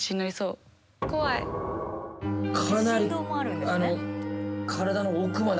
かなり。